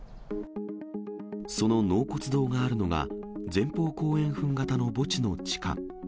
その納骨堂があるのが、前方後円墳形の墓地の地下。